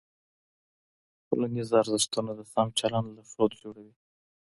ټولنیز ارزښتونه د سم چلند لارښود جوړوي.